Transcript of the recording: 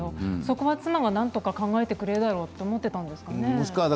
妻がなんとか考えてくれるだろうと思っていたんですかね。